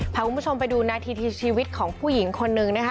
พาคุณผู้ชมไปดูนาทีชีวิตของผู้หญิงคนนึงนะคะ